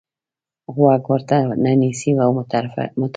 غوږ ورته نه نیسئ او متفرق کېږئ.